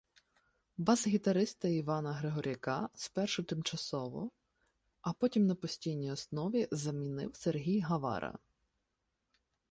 Бас-гітариста Івана Григоряка спершу тимчасово, а потім на постійній основі замінив Сергій Гавара.